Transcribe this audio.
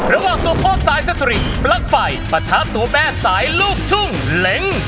ระหว่างตัวพ่อสายสตริกปลั๊กไฟปะทะตัวแม่สายลูกทุ่งเล้ง